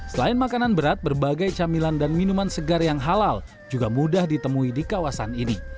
selain makanan berat berbagai camilan dan minuman segar yang halal juga mudah ditemui di kawasan ini